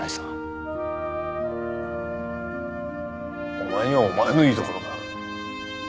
お前にはお前のいいところがある。